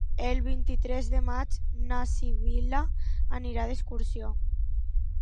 El vint-i-tres de maig na Sibil·la anirà d'excursió.